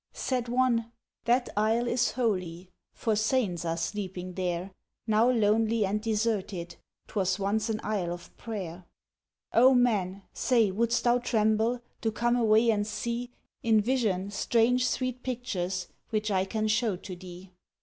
Said one, "That Isle is holy, For Saints are sleeping there, Now lonely and deserted, T'was once an Isle of prayer." "O Man! say would'st thou tremble, To come away and see, In vision, strange, sweet pictures Which I can shew to thee?"